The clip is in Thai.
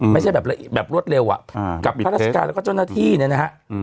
ไม่ใช่แบบลดเร็วอ่ะกับธรรมพนธรรมและเจ้าหน้าที่นะฮะ